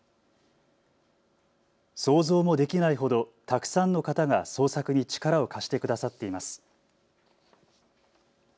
想像もできないほどたくさんの方が捜索に力を貸してくださっています。